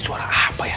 suara apa ya